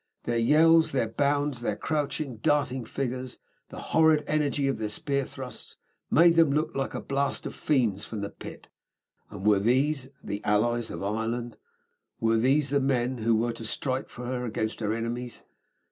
Their yells, their bounds, their crouching, darting figures, the horrid energy of their spear thrusts, made them look like a blast of fiends from the pit. And were these the Allies of Ireland? Were these the men who were to strike for her against her enemies?